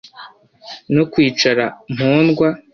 No kwicara mpondwa